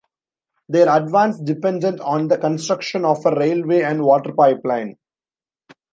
Their advance depended on the construction of a railway and water pipeline.